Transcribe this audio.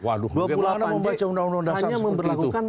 waduh bagaimana membaca undang undang dasar seperti itu